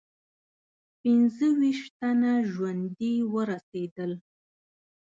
پنځه ویشت تنه ژوندي ورسېدل.